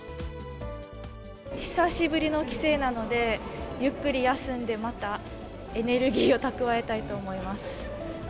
久しぶりの帰省なので、ゆっくり休んでまたエネルギーを蓄えたいと思います。